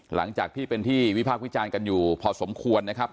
หลังจากที่เป็นที่วิพากษ์วิจารณ์กันอยู่พอสมควรนะครับ